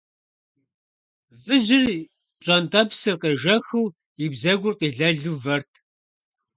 Выжьыр, пщӀэнтӀэпсыр къежэхыу, и бзэгур къилэлу вэрт.